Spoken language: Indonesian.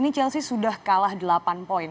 ini chelsea sudah kalah delapan poin